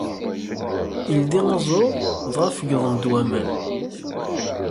Ildi aẓru, dɣa feggḍen-d waman.